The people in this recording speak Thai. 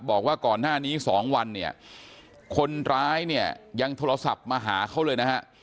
บอกว่าก่อนหน้านี้๒วันเนี่ยคนร้ายเนี่ยยังโทรศัพท์มาหาเขาเลยนะฮะ